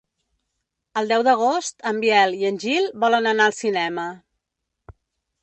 El deu d'agost en Biel i en Gil volen anar al cinema.